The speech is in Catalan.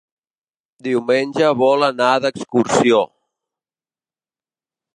Diumenge vol anar d'excursió.